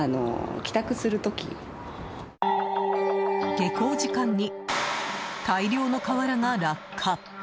下校時間に大量の瓦が落下。